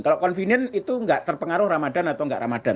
kalau konvinien itu nggak terpengaruh ramadan atau nggak ramadan